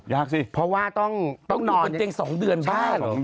ยากสิเพราะว่าต้องนอนเห็นจริง๒เดือนบ้างใช่แหละ